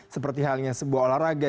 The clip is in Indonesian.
seperti halnya sebuah olahraga